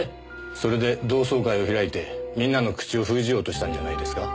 それで同窓会を開いてみんなの口を封じようとしたんじゃないですか？